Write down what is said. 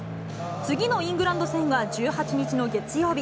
次のイングランド戦は１８日の月曜日。